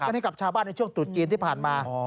ให้กับชาวบ้านในช่วงตรุษจีนที่ผ่านมา